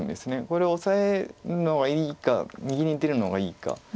これオサえるのがいいか右に出るのがいいか。